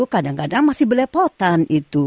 kadang kadang masih belepotan itu